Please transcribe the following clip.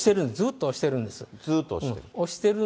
押してるんです、ずっと押してる。